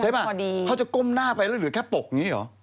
ใช่ไหมเขาจะก้มหน้าไปหรือแค่ปกอย่างนี้หรือ